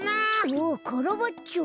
あっカラバッチョ。